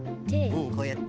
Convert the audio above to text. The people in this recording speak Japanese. うんこうやって。